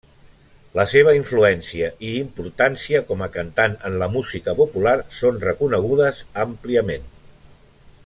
La seva influència i importància com a cantant en la música popular són reconegudes àmpliament.